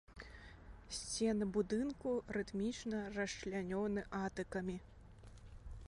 Сцены будынку рытмічна расчлянёны атыкамі.